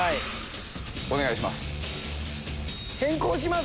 お願いします。